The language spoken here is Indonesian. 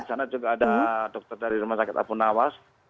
di sana juga ada dokter dari rumah sakit apunawas